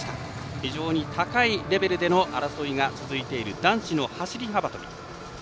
非常に高いレベルでの争いが続いている男子の走り幅跳びです。